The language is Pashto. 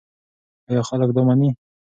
ایا خلک دا مني؟